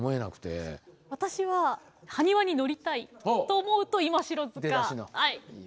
私はハニワに乗りたい。と思うと今城塚愛！